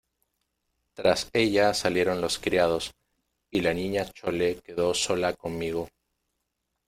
tras ella salieron los criados, y la Niña Chole quedó sola conmigo.